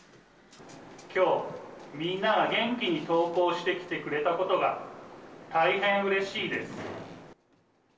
きょう、みんなが元気に登校してきてくれたことが、大変うれしいです。